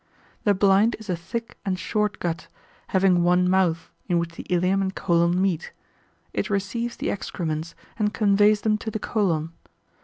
The blind is a thick and short gut, having one mouth, in which the ilium and colon meet: it receives the excrements, and conveys them to the colon.